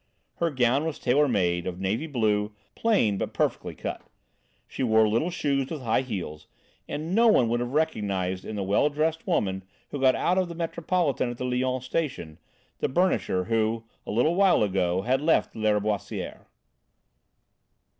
Her gown was tailor made, of navy blue, plain but perfectly cut; she wore little shoes with high heels, and no one would have recognised in the well dressed woman, who got out of the Metropolitan at the Lyons Station, the burnisher, who, a little while ago, had left Lâriboisière.